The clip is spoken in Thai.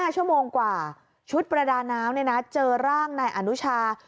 ๕ชั่วโมงกว่าชุดประดาน้ำเจอร่างนายอนุชา